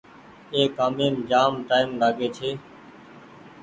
اي ڪآميم جآم ٽآئيم لآگي ڇي۔